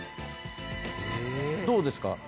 どうですか？